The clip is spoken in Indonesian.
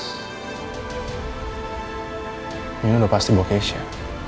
itu artinya gue nggak bisa lagi ketemu sama keisha